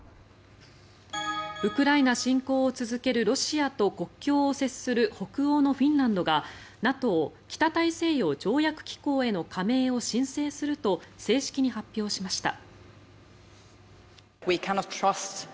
ウクライナ侵攻を続けるロシアと国境を接する北欧のフィンランドがＮＡＴＯ・北大西洋条約機構への加盟を申請すると正式に発表しました。